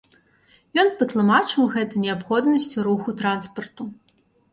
Ён патлумачыў гэта неабходнасцю руху транспарту.